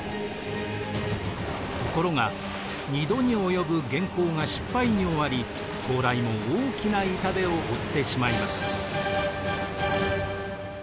ところが２度に及ぶ元寇が失敗に終わり高麗も大きな痛手を負ってしまいます。